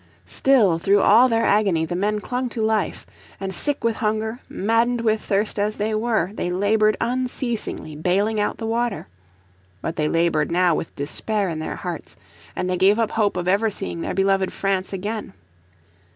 Still through all their agony the men clung to life. And sick with hunger, maddened with thirst as they were they laboured unceasingly bailing out the water. But they laboured now with despair in their hearts, and they gave up hope of ever seeing their beloved France again.